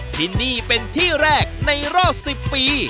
ที่นี่เป็นที่แรกในรอบ๑๐ปี